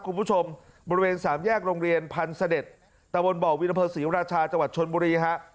คุณผู้ชมบริเวณสามแยกโรงเรียนพันธ์เสด็จตะบนบ่อวินอำเภอศรีราชาจังหวัดชนบุรีฮะ